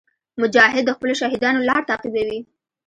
مجاهد د خپلو شهیدانو لار تعقیبوي.